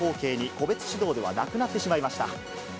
個別指導ではなくなってしまいました。